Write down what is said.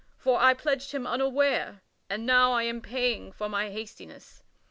For I pledged him unaware, and now I am paying for my hastiness.